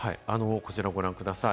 こちらをご覧ください。